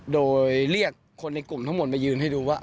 โดยเรียกคนในกลุ่มทั้งหมดมายืนให้ดูว่า